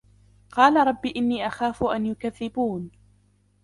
قال رب إني أخاف أن يكذبون